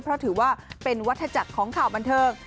เพราะถือว่าเป็นวัฒนาจักรของข่าวบันเทิง